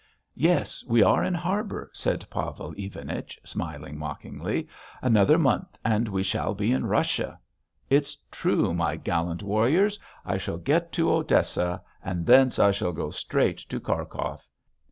"Yes. We are in harbour," said Pavel Ivanich, smiling mockingly. "Another month and we shall be in Russia. It's true; my gallant warriors, I shall get to Odessa and thence I shall go straight to Kharkhov.